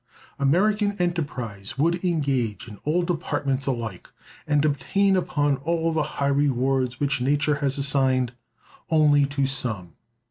American enterprise would engage in all departments alike, and obtain upon all the high rewards which nature has assigned only to some.